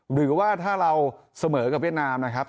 หรือว่าถ้าเราเสมอกับเวียดนามนะครับ